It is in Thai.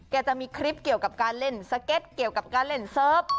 จะมีคลิปเกี่ยวกับการเล่นสเก็ตเกี่ยวกับการเล่นเซิร์ฟ